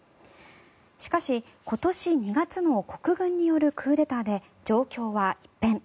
しかし、今年２月の国軍によるクーデターで状況は一変。